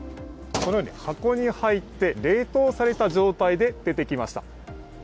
このように箱に入って冷凍された状態で出てきました。